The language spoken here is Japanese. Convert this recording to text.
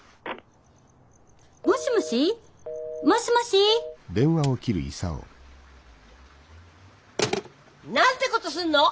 もしもし？もしもし？なんてことすんの！